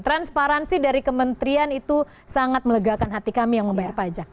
transparansi dari kementerian itu sangat melegakan hati kami yang membayar pajak